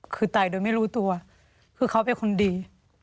คือตายโดยไม่รู้ตัวคือเขาเป็นคนดี